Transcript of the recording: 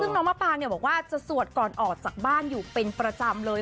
ซึ่งน้องมะปางบอกว่าจะสวดก่อนออกจากบ้านอยู่เป็นประจำเลย